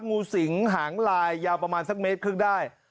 งูสิงหางลายยาวประมาณสักเมตรครึ่งได้